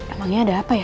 emangnya ada apa ya